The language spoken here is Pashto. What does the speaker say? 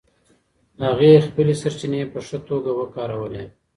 هغې خپلې سرچینې په ښه توګه وکارولې.